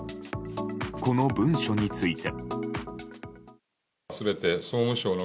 この文書について。